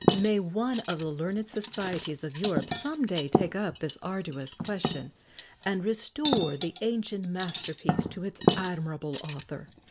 [XX 65] May one of the learned societies of Europe some day take up this arduous question, and restore the ancient masterpiece to its admirable author.